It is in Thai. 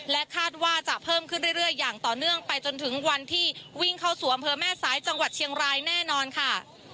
คาดว่าจะเพิ่มขึ้นเรื่อยอย่างต่อเนื่องไปจนถึงวันที่วิ่งเข้าสู่อำเภอแม่สายจังหวัดเชียงรายแน่นอนค่ะ